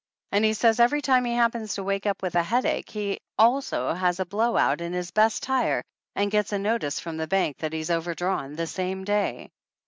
And he says every time he happens to wake up with a headache he also has a blowout in his best tire and gets a notice from the bank that he's overdrawn the same day.